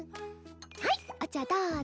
はいお茶どうぞ。